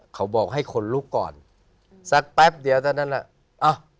เขาบอกให้ขนลุกก่อนสักแป๊บเดี๋ยวแต่นั้นแหละอ่ะ